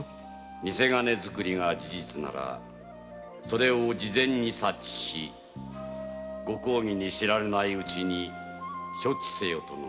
ニセ金づくりが事実ならそれを事前に察知し公儀に知られぬうちに処置せよとの殿の仰せだ